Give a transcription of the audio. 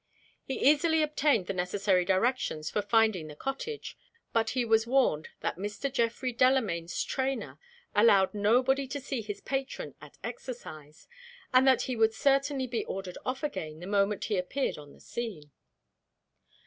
He easily obtained the necessary directions for finding the cottage. But he was warned that Mr. Geoffrey Delamayn's trainer allowed nobody to see his patron at exercise, and that he would certainly be ordered off again the moment he appeared on the scene.